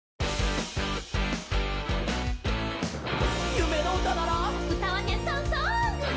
「ゆめのうたなら」